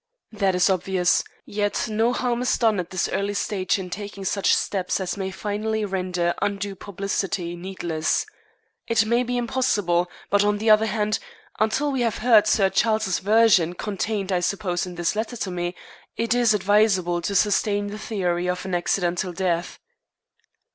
"That is obvious. Yet no harm is done at this early stage in taking such steps as may finally render undue publicity needless. It may be impossible; but on the other hand, until we have heard Sir Charles's version, contained, I suppose, in this letter to me, it is advisable to sustain the theory of an accidental death."